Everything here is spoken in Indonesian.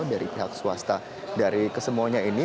dari pihak swasta dari kesemuanya ini